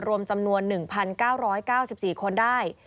รวมจำนวน๑๙๙๔คนได้